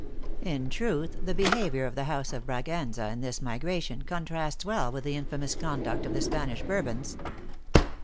In truth, the behavior of the house of Braganza in this migration, contrasts well with the infamous conduct of the Spanish Bourbons.